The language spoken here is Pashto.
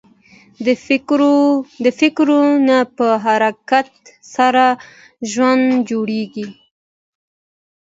د فکرو نه په حرکت سره ژوند جوړېږي.